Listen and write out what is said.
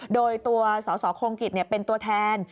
โดยตัวสสโคงกิจเป็นตัวแทน